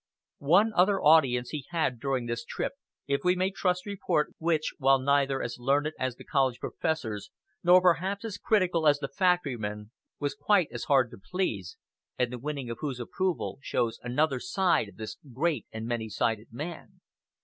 One other audience he had during this trip, if we may trust report, which, while neither as learned as the college professors, nor perhaps as critical as the factory men, was quite as hard to please, and the winning of whose approval shows another side of this great and many sided man.